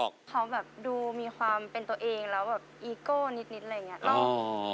เขาแบบดูมีความเป็นตัวเองแล้วแบบอีโก้นิดอะไรอย่างนี้